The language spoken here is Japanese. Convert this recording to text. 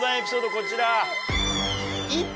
こちら。